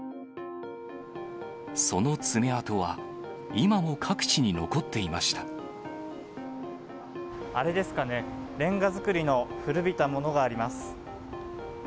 その爪痕は、今も各地に残っていあれですかね、れんが造りの古びたものがあります。